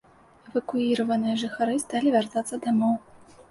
Эвакуіраваныя жыхары сталі вяртацца дамоў.